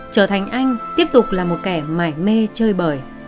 trở thành anh tiếp tục là một kẻ mải mê chơi bời